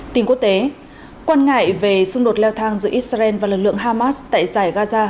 tình quốc tế quan ngại về xung đột leo thang giữa israel và lực lượng hamas tại giải gaza